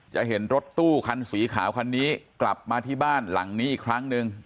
จะเห็นรถตู้คันสีขาวคันนี้กลับมาที่บ้านหลังนี้อีกครั้งหนึ่ง